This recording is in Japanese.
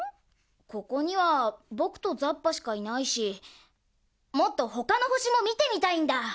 ここにはぼくとザッパしかいないしもっとほかのほしもみてみたいんだ。